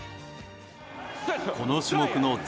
この種目の前